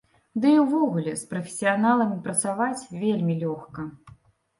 Ды і ўвогуле, з прафесіяналамі працаваць вельмі лёгка.